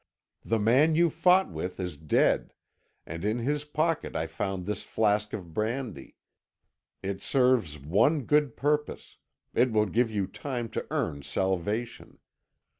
The man you fought with is dead, and in his pocket I found this flask of brandy. It serves one good purpose; it will give you time to earn salvation.